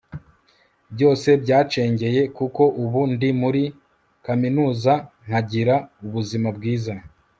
byose byacengeye, kuko ubu ndi muri kaminuza, nkagira ubuzima bwiza